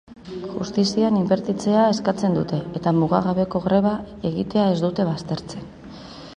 Justizian inbertitzea eskatzen dute eta mugagabeko greba egitea ez dute baztertzen.